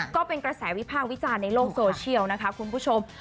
ก็เป็นกระแสวิพากษ์วิจารณ์ในโลกโซเชียลนะคะคุณผู้ชม